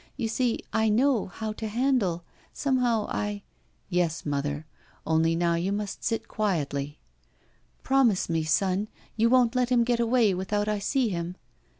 You see, I know — ^how to handle — Somehow I —" Yes, mother, only now you must sit quietly —" "Promise me, son, you won't let him get away without I see him?"